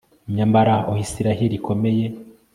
nyamara aho israheli ikomereye